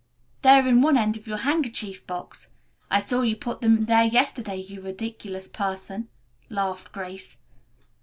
"They are in one end of your handkerchief box. I saw you put them there yesterday, you ridiculous person," laughed Grace.